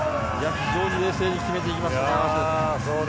非常に冷静に決めていきました。